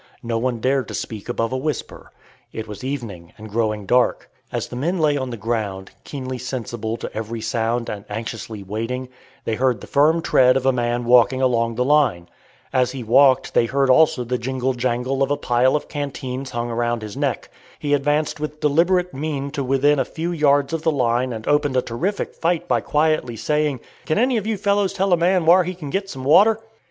No one dared to speak above a whisper. It was evening, and growing dark. As the men lay on the ground, keenly sensible to every sound, and anxiously waiting, they heard the firm tread of a man walking along the line. As he walked they heard also the jingle jangle of a pile of canteens hung around his neck. He advanced with deliberate mien to within a few yards of the line and opened a terrific fight by quietly saying, "Can any you fellows tell a man whar he can git some water?"